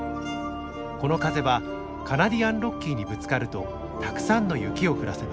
この風はカナディアンロッキーにぶつかるとたくさんの雪を降らせます。